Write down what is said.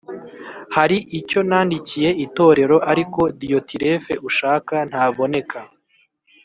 Hari icyo nandikiye itorero ariko diyotirefe ushaka ntaboneka